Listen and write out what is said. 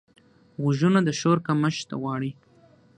غوږونه د شور کمښت غواړي